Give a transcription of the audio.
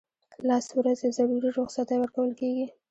لس ورځې ضروري رخصتۍ ورکول کیږي.